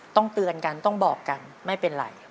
เตือนกันต้องบอกกันไม่เป็นไร